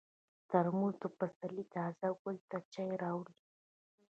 ترموز د پسرلي تازه ګل ته چای راوړي.